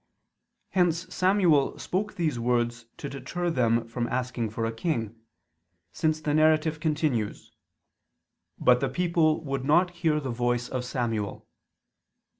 Hence Samuel spoke these words to deter them from asking for a king; since the narrative continues: "But the people would not hear the voice of Samuel."